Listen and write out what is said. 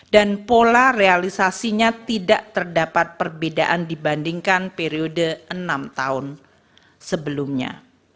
dan pola realisasinya tidak terdapat perbedaan dibandingkan periode enam tahun sebelumnya